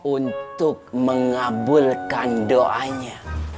untuk mengabulkan doanya